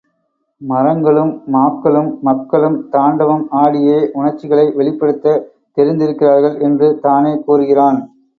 மரங்களும், மாக்களும், மக்களும் தாண்டவம் ஆடியே உணர்ச்சிகளை வெளிப்படுத்த தெரிந்திருக்கிறார்கள் என்று தானே கூறுகிறான்?